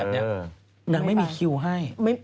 นางไม่มีคิวให้